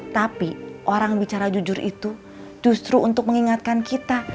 tapi orang bicara jujur itu justru untuk mengingatkan kita